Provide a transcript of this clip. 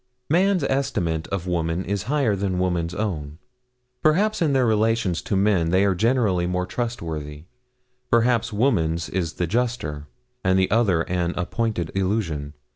Man's estimate of woman is higher than woman's own. Perhaps in their relations to men they are generally more trustworthy perhaps woman's is the juster, and the other an appointed illusion.